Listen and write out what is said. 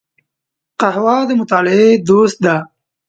قهوه د مطالعې دوست ده